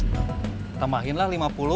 ck tambahinlah lima puluh